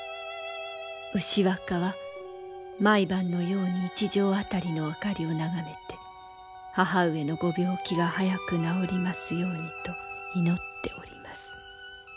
「牛若は毎晩のように一条辺りの明かりを眺めて母上のご病気が早く治りますようにと祈っております。